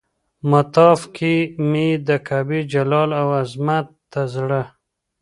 مطاف کې مې د کعبې جلال او عظمت ته زړه.